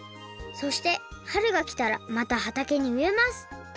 そしてはるがきたらまたはたけにうえます。